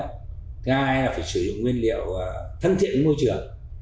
thứ hai là phải sử dụng nguyên liệu thân thiện với môi trường